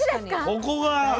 ここが。